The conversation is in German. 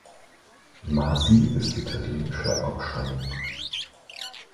Masi ist italienischer Abstammung.